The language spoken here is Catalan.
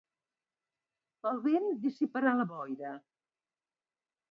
El vent dissiparà la boira.